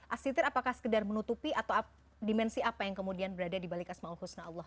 as sitir apakah sekedar menutupi atau dimensi apa yang kemudian berada di balik asmaul ⁇ husna allah